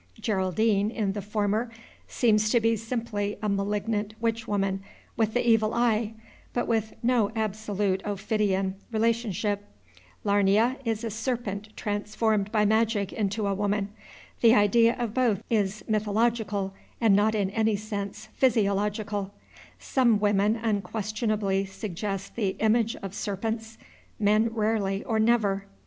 Geraldine, in the former, seems to be simply a malignant witch woman with the evil eye, but with no absolute ophidian relationship. Lamia is a serpent transformed by magic into a woman. The idea of both is mythological, and not in any sense physiological. Some women unquestionably suggest the image of serpents; men rarely or never.